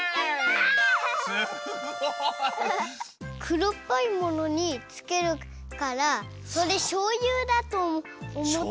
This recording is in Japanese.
くろっぽいものにつけるからそれしょうゆだとおもったから。